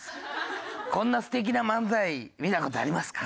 こんな素敵な漫才見た事ありますか？